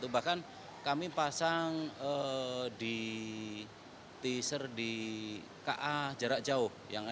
bahkan kami pasang di teaser di ka jarak jauh